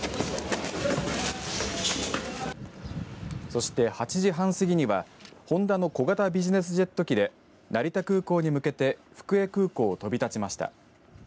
そして、８時半過ぎにはホンダの小型ビジネスジェット機で成田空港に向けて福江空港を飛び立ちました。